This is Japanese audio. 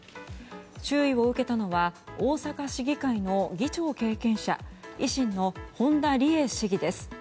注意を受けたのは大阪市議会の議長経験者維新の本田リエ市議です。